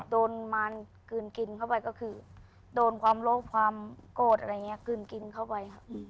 โดนมารกลืนกินเข้าไปก็คือโดนความโลกความโกรธอะไรอย่างนี้กลืนกินเข้าไปครับ